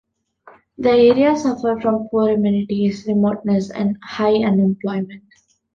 The area suffered from poor amenities, remoteness and high unemployment.